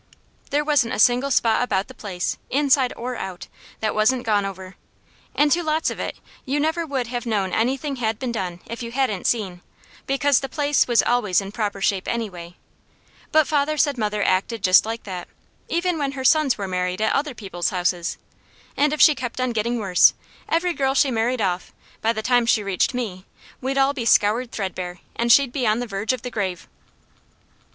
There wasn't a single spot about the place inside or out that wasn't gone over; and to lots of it you never would have known anything had been done if you hadn't seen, because the place was always in proper shape anyway; but father said mother acted just like that, even when her sons were married at other people's houses; and if she kept on getting worse, every girl she married off, by the time she reached me, we'd all be scoured threadbare and she'd be on the verge of the grave.